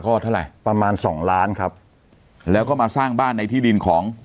ก็เท่าไหร่ประมาณสองล้านครับแล้วก็มาสร้างบ้านในที่ดินของ